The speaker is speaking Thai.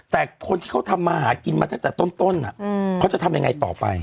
แต่คนที่เขาทำมาหากินมาตั้งแต่ต้นเขาจะทำยังไงต่อไป